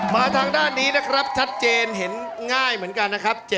มาทางด้านนี้นะครับชัดเจนเห็นง่ายเหมือนกันนะครับ